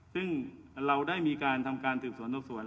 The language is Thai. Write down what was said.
ซึ่งเราได้มีการทำการสืบสวนสอบสวน